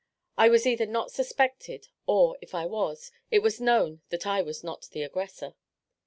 I was either not suspected, or, if I was, it was known that I was not the aggressor.